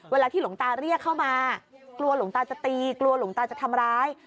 เวลาที่หลวงตาเรียกเข้ามากลัวหลวงตาจะตีกลัวหลวงตาจะทำร้าย